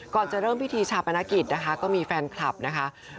ก่อนจะเริ่มพิธีชาปนกิจนะคะก็มีแฟนคลับนะคะ